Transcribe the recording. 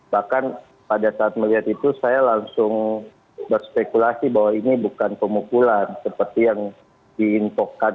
bahkan pada saat melihat itu saya langsung berspekulasi bahwa ini bukan pemukulan seperti yang diinfokan